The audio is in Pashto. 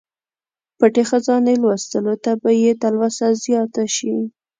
پټې خزانې لوستلو ته به یې تلوسه زیاته شي.